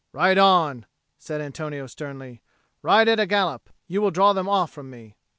"Ride on!" said Antonio sternly. "Ride at a gallop. You will draw them off from me."